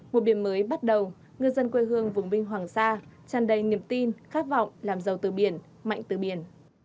một điểm mới bắt đầu ngư dân quê hương vùng binh hoàng sa tràn đầy niềm tin khát vọng làm giàu từ biển mạnh từ biển